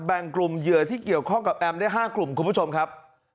แบ่งกลุ่มเหยื่อที่เกี่ยวข้องกับแอมได้๕กลุ่มคุณผู้ชมครับ